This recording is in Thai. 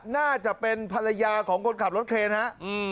น่าจะเป็นภรรยาของคนขับรถเครนฮะ